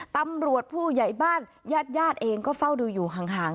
ตำรวจผู้ใหญ่บ้านญาติญาติเองก็เฝ้าดูอยู่ห่าง